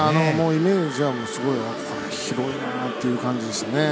イメージはすごい広いなという感じでしたね。